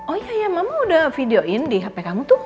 oh iya ya mama udah videoin di hp kamu tuh